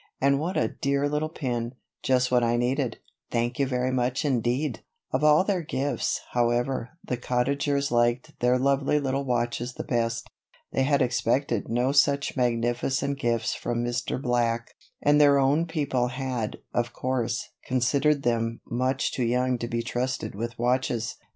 "And what a dear little pin just what I needed. Thank you very much indeed." Of all their gifts, however, the Cottagers liked their lovely little watches the best. They had expected no such magnificent gifts from Mr. Black, and their own people had, of course, considered them much too young to be trusted with watches.